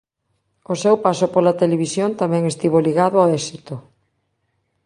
O seu paso pola televisión tamén estivo ligado ó éxito.